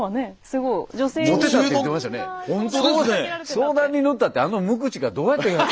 相談に乗ったってあの無口がどうやって。